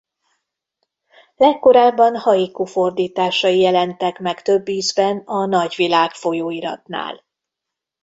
Legkorábban haiku fordításai jelentek meg több ízben a Nagyvilág folyóiratnál.